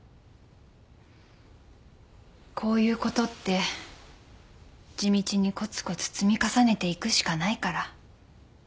こういうことって地道にコツコツ積み重ねていくしかないから。